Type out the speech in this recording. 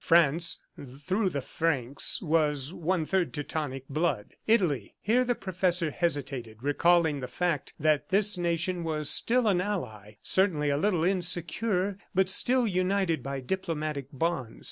France, through the Franks, was one third Teutonic blood. Italy. ... Here the professor hesitated, recalling the fact that this nation was still an ally, certainly a little insecure, but still united by diplomatic bonds.